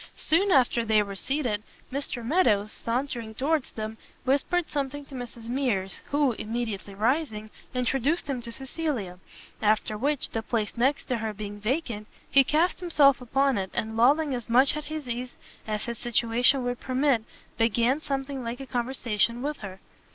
Soon after they were seated, Mr Meadows, sauntering towards them, whispered something to Mrs Mears, who, immediately rising, introduced him to Cecilia; after which, the place next to her being vacant, he cast himself upon it, and lolling as much at his ease as his situation would permit, began something like a conversation with her.